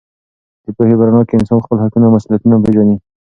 د پوهې په رڼا کې انسان خپل حقونه او مسوولیتونه پېژني.